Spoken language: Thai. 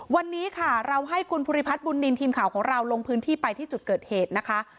วันนี้ค่ะเราให้คุณภูริพัฒน์บุญนินทีมข่าวของเราลงพื้นที่ไปที่จุดเกิดเหตุนะคะ